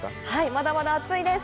まだまだ暑いです。